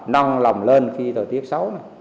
nong lòng lên khi thời tiết xấu